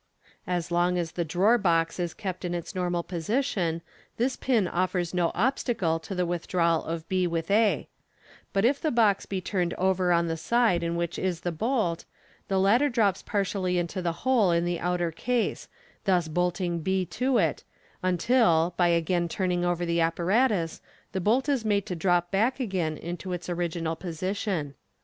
As long as the drawer box is kept in its normal position, this pin offers no obstacle to the with drawal of b with a ; but if the box be turned over on the side in which is the bolt, the latter drops partially into the hole in the outer case, thus bolting b to it, until, by again turn ing over the apparatus, the bolt is made to drop back again into its ori ginal position.